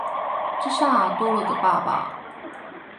這下多了個爸爸